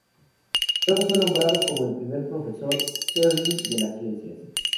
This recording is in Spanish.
Luego fue nombrado como el primer Profesor Sterling de las Ciencias.